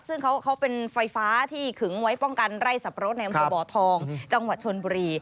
ซึ่งเขาเป็นไฟฟ้าที่ขึงไว้ป้องกันไร่สับปะรดในอำเภอบ่อทองจังหวัดชนบุรี